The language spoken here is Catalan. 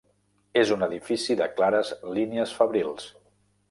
És un edifici de clares línies fabrils.